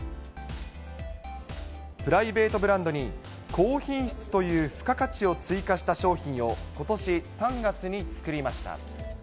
プライベートブランドに、高品質という付加価値を追加した商品をことし３月に作りました。